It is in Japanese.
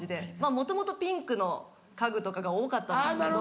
もともとピンクの家具とかが多かったんですけど。